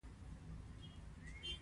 زموږ تر ټولو لویه ملي شتمني.